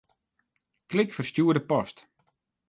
Klik Ferstjoerde post.